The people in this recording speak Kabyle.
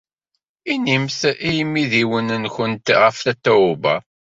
Inimt i yimidiwen-nwent ɣef Tatoeba.